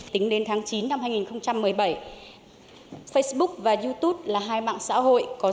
tính đến tháng chín năm hai nghìn một mươi bảy facebook và youtube là hai mạng xã hội có